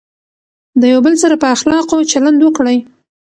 د یو بل سره په اخلاقو چلند وکړئ.